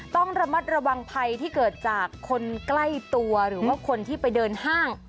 ต้องระมัดระวังภัยที่เกิดจากคนใกล้ตัวหรือว่าคนที่ไปเดินห้าง